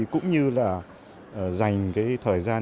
cũng như là dành thời gian